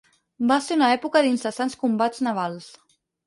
Va ser una època d'incessants combats navals.